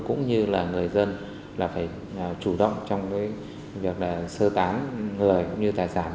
cũng như là người dân là phải chủ động trong việc sơ tán người cũng như tài sản